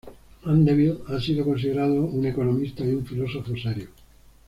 Mandeville ha sido considerado un economista y un filósofo serio.